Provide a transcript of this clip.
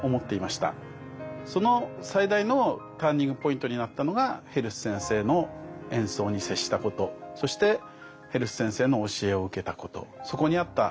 その最大のターニングポイントになったのがヘルス先生の演奏に接したことそしてヘルス先生の教えを受けたことそこにあった。